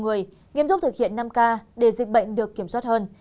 người nghiêm túc thực hiện năm k để dịch bệnh được kiểm soát hơn